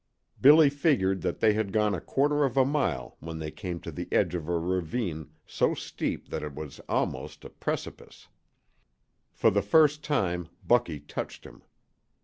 Billy figured that they had gone a quarter of a mile when they came to the edge of a ravine so steep that it was almost a precipice. For the first time Bucky touched him.